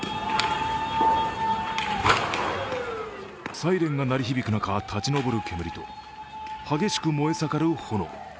サイレンが鳴り響く中立ち上る煙と、激しく燃え盛る炎。